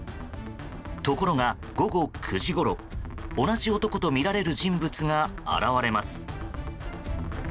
ところが午後９時ごろ同じ男とみられる人物が現れます。